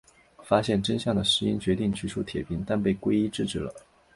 发现真相的诗音决定除去铁平但被圭一制止了。